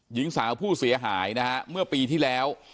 หญิงสาวผู้เสียหายนะฮะเมื่อปีที่แล้ว